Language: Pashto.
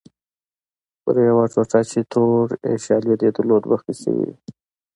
پر یوې ټوټه چې تور شالید یې درلود بخۍ شوې وې.